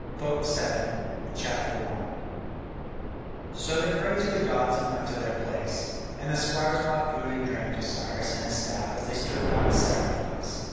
BOOK VII [C.1] So they prayed to the gods and went to their place, and the squires brought food and drink to Cyrus and his staff as they stood round the sacrifice.